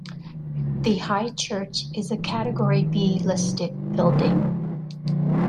The High Church is a category B listed building.